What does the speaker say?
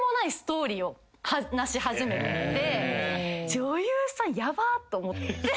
女優さんヤバッと思って。